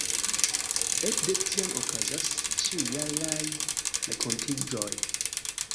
Ekde tiam okazas ĉiujaraj renkontiĝoj.